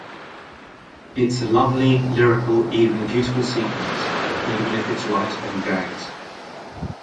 It's a lovely, lyrical, even beautiful sequence even if it's light on gags.